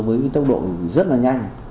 với tốc độ rất là nhanh